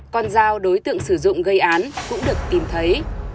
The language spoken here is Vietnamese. con dao đối tượng sử dụng gây án cũng được tìm thấy